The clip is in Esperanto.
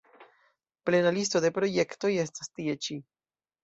Plena listo de projektoj estas tie ĉi.